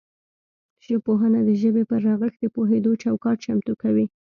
ژبپوهنه د ژبې پر رغښت د پوهیدو چوکاټ چمتو کوي